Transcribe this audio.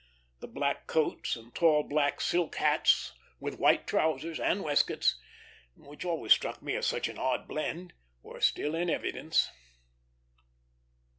The black coats and tall black silk hats, with white trousers and waistcoats, which always struck me as such an odd blend, were still in evidence.